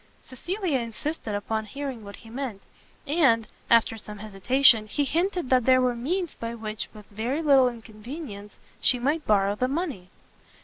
Cecilia insisted upon hearing what he meant, and, after some hesitation, he hinted that there were means by which, with very little inconvenience, she might borrow the money.